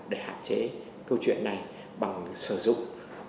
để hạn chế câu chuyện này bằng sử dụng